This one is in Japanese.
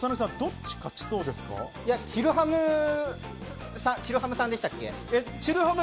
ちるハムさんでしたっけ？